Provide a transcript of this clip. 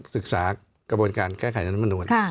ศึกษากระบวนการแก้ไขนั้นมนุษย์